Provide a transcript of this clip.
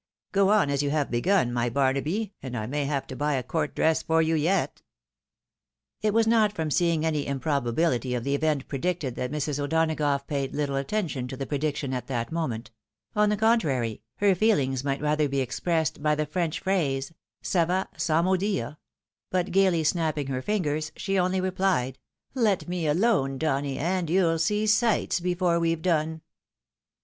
" Go on as you have begun, my Barnaby, and I may have to buy a court dress for you yet." AN OVERWHELMING FAYOUR. 161 It was not from seeing any improbability of the event pre dicted that Mrs. O'Donagough paid little attention to the prediction at that moment ; on the contrary, her feelings might rather be expressed by the French phrase, Ca va, sam mot dire — ^but, gaily snapping her fingers, she only'rephed, "Let me alone, Uonny, and you'll see sights before we've done."